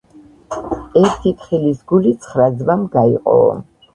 ერთი თხილის გული, ცხრა ძმამ გაიყოო.